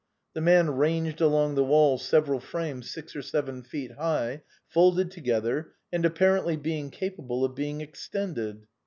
The man ranged along the wall several frames six or seven feet high, folded together, and apparently capable of being extended.